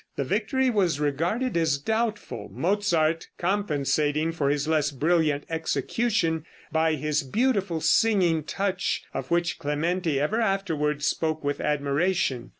The victory was regarded as doubtful, Mozart compensating for his less brilliant execution by his beautiful singing touch, of which Clementi ever afterward spoke with admiration.